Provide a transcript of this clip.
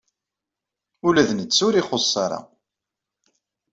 Ula d netta ur ixuss ara.